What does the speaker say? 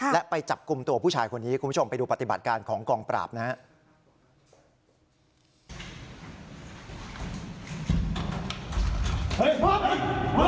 และไปจับกลุ่มตัวผู้ชายคนนี้คุณผู้ชมไปดูปฏิบัติการของกองปราบนะครับ